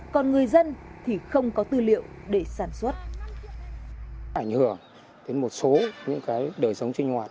còn người dân thì không có tư liệu để sản xuất